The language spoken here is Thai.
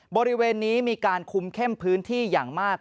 บริเวณนี้มีการคุมเข้มพื้นที่อย่างมาก